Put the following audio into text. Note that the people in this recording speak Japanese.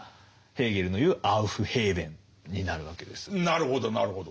なるほどなるほど。